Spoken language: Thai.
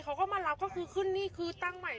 เขาก็มารับก็คือขึ้นนี่คือตั้งใหม่